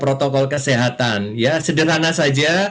protokol kesehatan sederhana saja